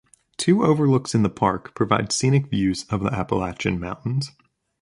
Two overlooks in the park provide scenic views of the Appalachian Mountains.